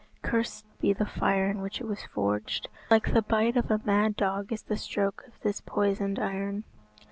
Cursed be the fire in which it was forged. Like the bite of a mad dog is the stroke of this poisoned iron."